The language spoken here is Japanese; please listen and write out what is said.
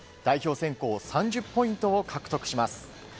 選考３０ポイントを獲得します。